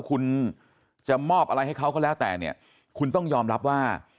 คุณจะมอบอะไรให้เขาก็แล้วแต่เนี่ยคุณต้องยอมรับว่า